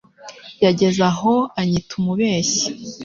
Yageze aho anyita umubeshyi.